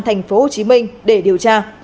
tp hcm để điều tra